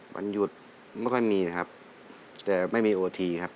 วันหยุดไม่ค่อยมีนะครับแต่ไม่มีโอทีครับ